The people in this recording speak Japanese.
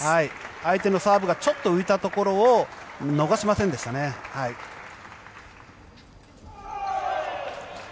相手のサーブがちょっと浮いたところを逃しませんでしたね。